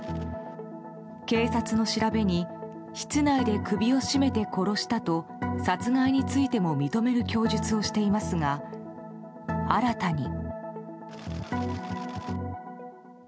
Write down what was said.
警察の調べに室内で首を絞めて殺したと殺害についても認める供述をしていますが、新たに。